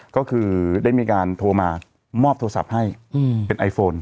ก็คือได้มีการโทรมามอบโทรศัพท์ให้เป็นไอโฟน